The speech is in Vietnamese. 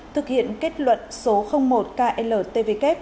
thực hiện kết luận số một kltvk